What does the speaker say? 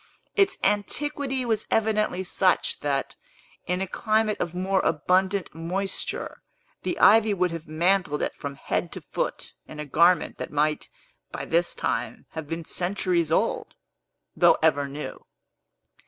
Its antiquity was evidently such that, in a climate of more abundant moisture, the ivy would have mantled it from head to foot in a garment that might, by this time, have been centuries old, though ever new.